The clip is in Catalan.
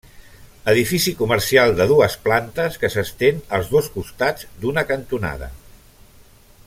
Edifici comercial de dues plantes que s'estén als dos costats d'una cantonada.